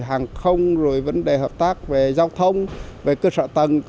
hàng không rồi vấn đề hợp tác về giao thông về cơ sở tầng